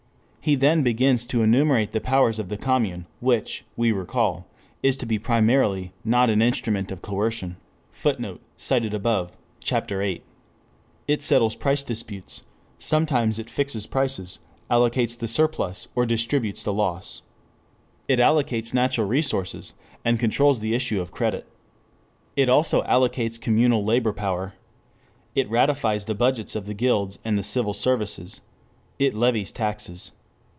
He then begins to enumerate the powers of the Commune, which, we recall, is to be primarily not an instrument of coercion. [Footnote: Op. cit. Ch. VIII.] It settles price disputes. Sometimes it fixes prices, allocates the surplus or distributes the loss. It allocates natural resources, and controls the issue of credit. It also "allocates communal labor power." It ratifies the budgets of the guilds and the civil services. It levies taxes.